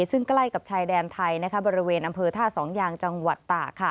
ซึ่งใกล้กับชายแดนไทยบริเวณอำเภอท่าสองยางจังหวัดตาก